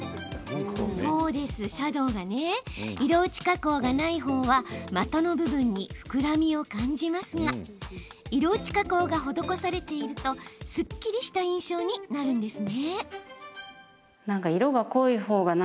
色落ち加工がないほうは股の部分に膨らみを感じますが色落ち加工が施されているとすっきりした印象になるんです。